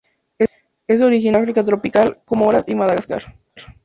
Es originario del África tropical, Comoras y Madagascar.